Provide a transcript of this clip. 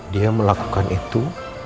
dia melakukan itu